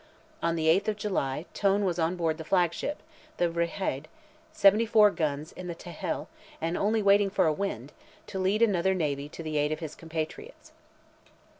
On the 8th of July, Tone was on board the flagship, the Vryheid, 74 guns, in the Texel, and "only waiting for a wind," to lead another navy to the aid of his compatriots.